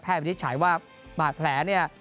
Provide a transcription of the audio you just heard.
แพทย์มันมึดใช้ว่าแผลเนี่ย